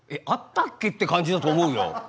「あったっけ？」って感じだと思うよ。